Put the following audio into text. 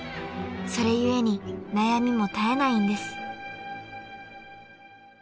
［それ故に悩みも絶えないんです］